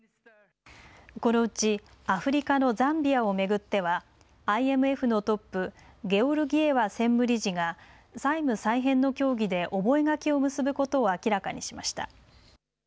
このうちアフリカのザンビアを巡ってはＩＭＦのトップ、ゲオルギエワ専務理事が債務再編の協議で覚書を結ぶことを明らかにしました。